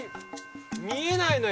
見えないのよ。